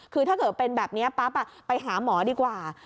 คือถ้าเกิดเป็นแบบนี้ปั๊บไปหาหมอดีกว่า